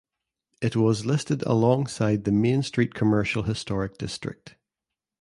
It was listed alongside the Main Street Commercial Historic District.